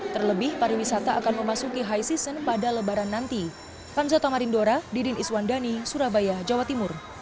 terlebih pariwisata akan memasuki high season pada lebaran nanti